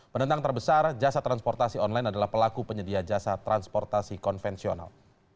penentang terbesar jasa transportasi online adalah pelaku penyedia jasa transportasi konvensional